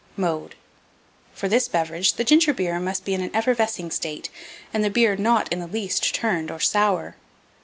Mode. For this beverage the ginger beer must be in an effervescing state, and the beer not in the least turned or sour.